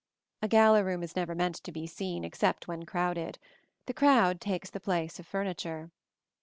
A gala room is never meant to be seen except when crowded: the crowd takes the place of furniture.